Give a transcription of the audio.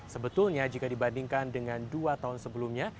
sebetulnya jika dibandingkan dengan dua tahun sebelumnya